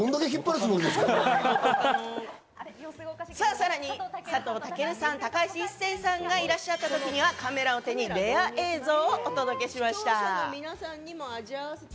さらに佐藤健さん、高橋一生さんがいらっしゃった時には、カメラを手にレア映像をお届けしました。